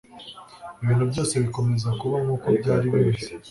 Ibintu byose bikomeza kuba nkuko byari bimeze